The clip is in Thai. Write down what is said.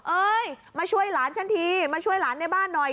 เอ้ยมาช่วยหลานฉันทีมาช่วยหลานในบ้านหน่อย